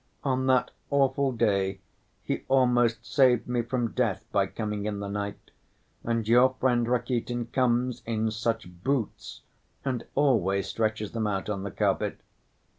On that awful day he almost saved me from death by coming in the night. And your friend Rakitin comes in such boots, and always stretches them out on the carpet....